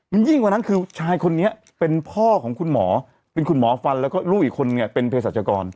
มันยิ่งกว่านั้นคือชายคนนี้เป็นพ่อของคุณหมอเป็นคุณหมอฟันแล้วก็ลูกอีกคนเนี่ยเป็นเพศรัชกร